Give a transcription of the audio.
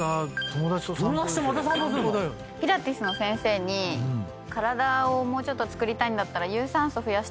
友達とまた散歩すんの⁉ピラティスの先生に体をもうちょっとつくりたいんだったら。